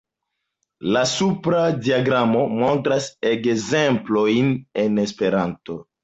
La supra diagramo montras ekzemplojn en esperanto.